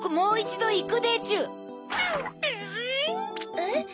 えっ？